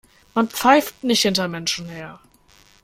Man pfeift nicht hinter Menschen her.